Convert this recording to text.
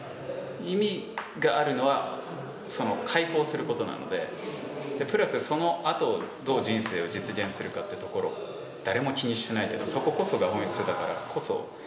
意味があるのは解放することなので、プラスそのあと、どう人生を実現するかというところ、誰も気にしていないというか、そここそが本質だから。